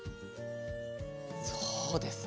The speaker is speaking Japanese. そうですね。